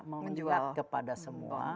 menjual kepada semua